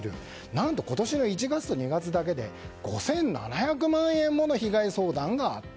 何と今年の１月と２月だけで５７００万円もの被害相談額があった。